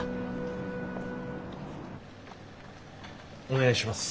お願いします。